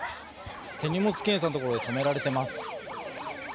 手荷物検査のところで止められています。